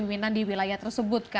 pemimpinan di wilayah tersebut